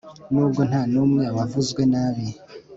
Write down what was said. nubwo nta n'umwe wavuzwe nabi